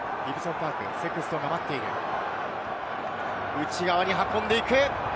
内側に運んでいく。